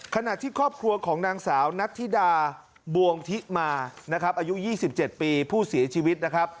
ขณะที่ครอบครัวของนางสาวนัทธิดาบวงทิมาอายุ๒๗ปีผู้เสียชีวิต